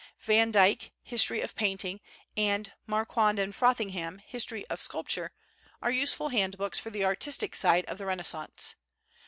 Van Dyke, "History of Painting," and Marquand and Frothingham, "History of Sculpture," are useful handbooks for the artistic side of the Renaissance.